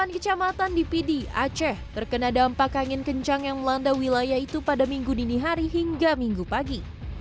delapan kecamatan di pidi aceh terkena dampak angin kencang yang melanda wilayah itu pada minggu dini hari hingga minggu pagi